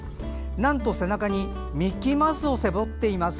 なんと背中にミッキーマウスを背負っています。